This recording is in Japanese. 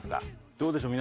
どうでしょう？